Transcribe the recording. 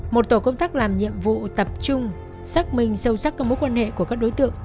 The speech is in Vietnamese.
một tổ công tác làm nhiệm vụ tập trung xác minh sâu sắc các mối quan hệ của các đối tượng